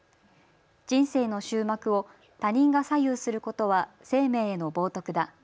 人生の終幕を他人が左右することは生命への冒とくだ。